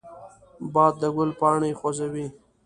باد د ګل پاڼې خوځوي